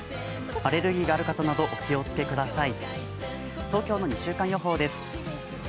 アレルギーがある方などお気をつけください。